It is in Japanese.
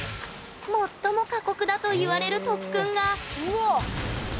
最も過酷だといわれる特訓がうわあ！